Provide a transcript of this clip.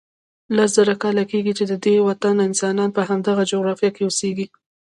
لس زره کاله کېږي چې ددې وطن انسانان په همدغه جغرافیه کې اوسیږي.